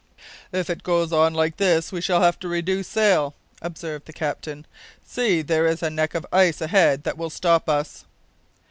"If it goes on like this, we shall have to reduce sail," observed the captain. "See, there is a neck of ice ahead that will stop us."